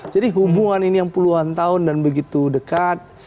jadi hubungan ini yang puluhan tahun dan begitu dekat